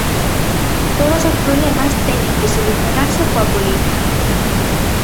Todos os problemas teñen que solucionarse coa política.